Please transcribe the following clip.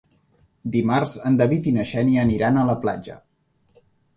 Dimarts en David i na Xènia aniran a la platja.